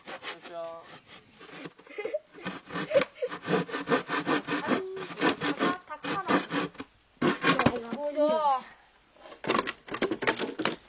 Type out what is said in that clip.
はい？